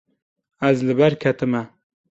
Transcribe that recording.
Ez li ber ketime.